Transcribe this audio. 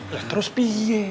lihat terus pi